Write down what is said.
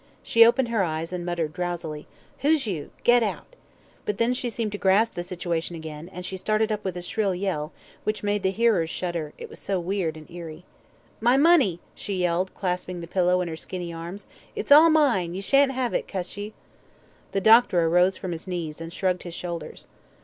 She opened her eyes, and muttered drowsily "Who's you? get out," but then she seemed to grasp the situation again, and she started up with a shrill yell, which made the hearers shudder, it was so weird and eerie. "My money!" she yelled, clasping the pillow in her skinny arms. "It's all mine, ye shan't have it cuss ye." The doctor arose from his knees, and shrugged his shoulders.